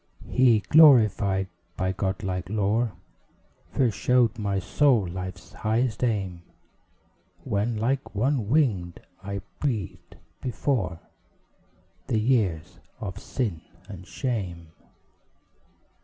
He, glorified by god like lore, First showed my soul Life's highest aim; When, like one winged, I breathed before The years of sin and shame.